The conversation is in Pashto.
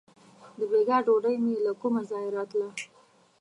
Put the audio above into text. • د بېګا ډوډۍ مې له کومه ځایه راتله.